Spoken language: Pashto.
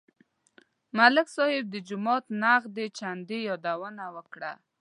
ملک صاحب د جومات نغدې چندې یادونه وکړه.